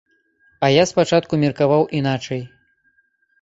А я спачатку меркаваў іначай.